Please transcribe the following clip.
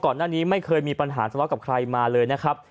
ก่อนหน้านี้ไม่เคยมีปัญหาทะเลาะกับใครมาเลยนะครับ